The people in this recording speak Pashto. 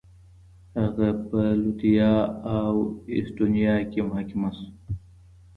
هغه په لتويا او اېسټونيا کې محاکمه شو.